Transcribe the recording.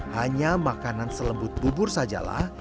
hanya makanan selembut bubur sajalah